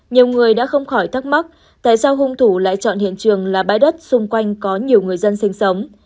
nhiều người đã không khỏi thắc mắc tại sao hung thủ lại chọn hiện trường là bãi đất xung quanh có nhiều người dân sinh sống